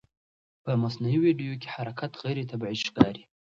په مصنوعي ویډیو کې حرکت غیر طبیعي ښکاري.